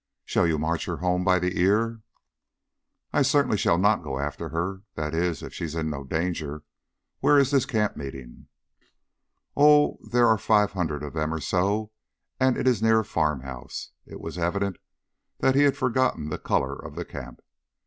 Shall you march her home by the ear?" "I certainly shall not go after her that is, if she is in no danger. Where is this camp meeting?" "Oh, there are five hundred or so of them, and it is near a farmhouse." It was evident that he had forgotten the colour of the camp.